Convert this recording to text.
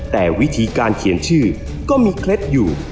แต่วิธีการเขียนชื่อก็มีเคล็ดอยู่